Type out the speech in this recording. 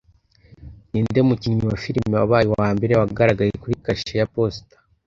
Ninde mukinnyi wa film wabaye uwambere wagaragaye kuri kashe ya posita